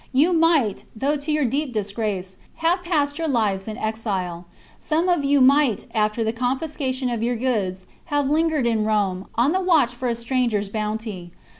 You might, though to your deep disgrace, have passed your lives in exile. Some of you might, after the con fiscation of your goods, have lingered in Rome, on the watch for a stranger's bounty.